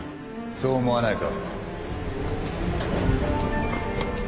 そう思わないか？